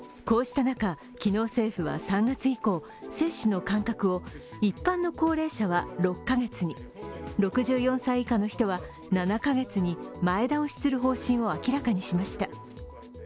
こうした中、昨日、政府は３月以降、接種の間隔を一般の高齢者は６カ月に、６４歳以下の人は７カ月に前倒しする方針を明らかにしました。